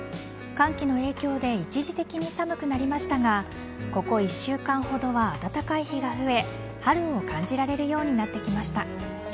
寒気の影響で一時的に寒くなりましたがここ１週間ほどは暖かい日が増え春を感じられるようになってきました。